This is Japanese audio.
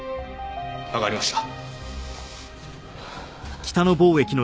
わかりました。